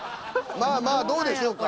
まあまあどうでしょうか。